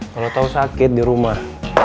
kalo tau sakit di rumah